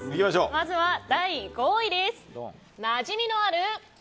まずは第５位です。